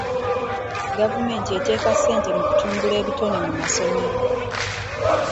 Gavumenti eteeka ssente mu kutumbula ebitone mu masomero.